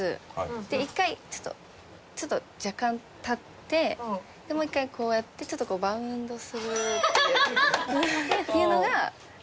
で一回ちょっとちょっと若干立ってでもう一回こうやってちょっとこうバウンドするっていうのが段取りです。